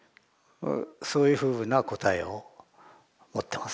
そういうふうな答えを持ってます。